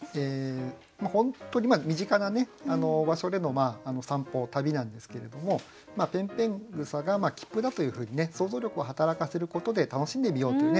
本当に身近な場所での散歩旅なんですけれどもぺんぺん草が切符だというふうにね想像力を働かせることで楽しんでみようというね